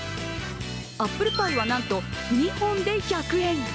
アップルパイは、なんと２本で１００円。